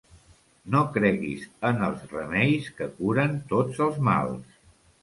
No creguis en els remeis que curen tots els mals.